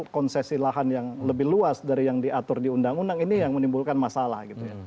konsesi lahan yang lebih luas dari yang diatur di undang undang ini yang menimbulkan masalah gitu ya